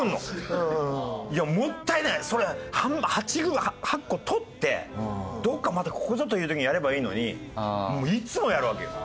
もったいないそれ８個とってどこかまたここぞという時にやればいいのにいつもやるわけよ。